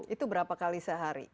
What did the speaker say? itu berapa kali sehari